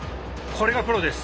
これがプロです！